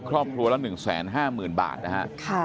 ครอบครัวละ๑๕๐๐๐บาทนะฮะ